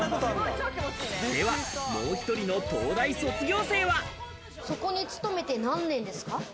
では、もう１人の東大卒業生そこに勤めて何年ですか？